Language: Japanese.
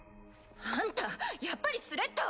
あんたやっぱりスレッタを！